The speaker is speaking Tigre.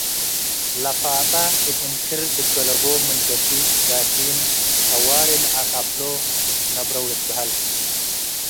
ለፋጸ እብ እንክር ድገለቦም ምን ገብእ ላኪን ጠዋሊ ለዐቀብሎ ነብረው ልትበሀል።